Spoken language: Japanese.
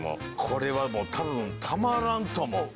これはもう多分たまらんと思う。